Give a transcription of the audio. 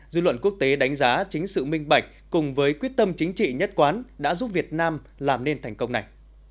dư luận quốc tế đánh giá chính sự minh bạch cùng với quyết tâm chính trị nhất quán đã giúp việt nam làm nên thành công này